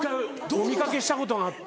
お見掛けしたことがあって。